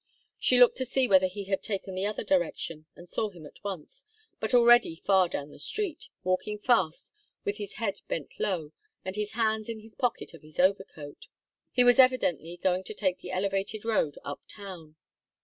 She turned to see whether he had taken the other direction, and saw him at once, but already far down the street, walking fast, with his head bent low and his hands in the pockets of his overcoat. He was evidently going to take the elevated road up town.